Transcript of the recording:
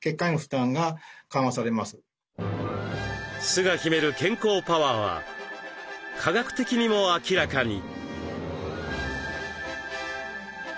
酢が秘める健康パワーは科学的にも明らかに。